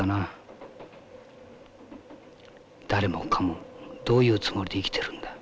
誰もかもどういうつもりで生きてるんだ。